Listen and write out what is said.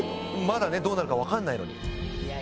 まだねどうなるか分かんないのに。